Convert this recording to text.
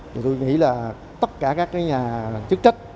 thì tôi nghĩ là tất cả các nhà chức trách